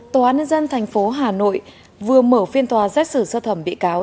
tòa án nhân dân thành phố hà nội vừa mở phiên tòa giác sử sơ thẩm bị cáo